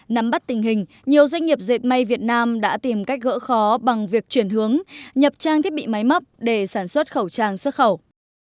nắm bắt tình hình nhiều doanh nghiệp dệt may việt nam đã tìm cách gỡ khó bằng việc chuyển hướng nhập trang thiết bị máy móc để sản xuất khẩu trang xuất khẩu